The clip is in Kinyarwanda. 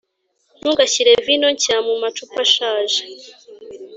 ntugashyire vino nshya mumacupa ashaje